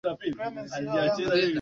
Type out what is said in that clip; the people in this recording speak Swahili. Bado nipo shuleni